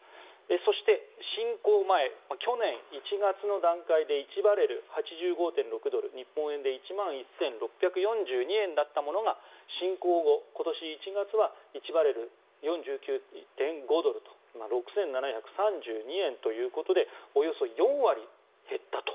そして、侵攻前去年１月の段階で１バレル＝８５．６ドル日本円で１万１６４２円だったものが侵攻後、今年１月は１バレル＝４９．５ドルと６７３２円ということでおよそ４割減ったと。